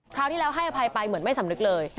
คราวที่แล้วให้อภัยไปเหมือนไม่สำนึกเลย